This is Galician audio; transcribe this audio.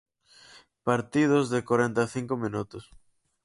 Partidos de corenta e cinco minutos.